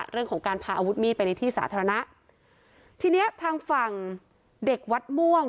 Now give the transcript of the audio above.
เรื่องของการพาอาวุธมีดไปในที่สาธารณะทีเนี้ยทางฝั่งเด็กวัดม่วง